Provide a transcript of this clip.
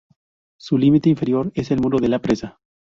Su límite inferior es el muro de la presa.